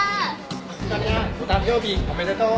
明日香ちゃんお誕生日おめでとう。